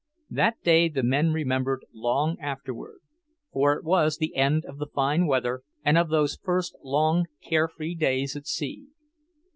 That day the men remembered long afterward, for it was the end of the fine weather, and of those first long, carefree days at sea.